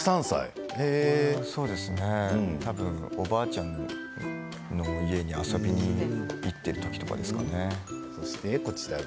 たぶんおばあちゃんの家に遊びに行っているときとかですかね。